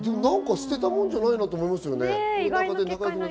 捨てたもんじゃないなと思いますね。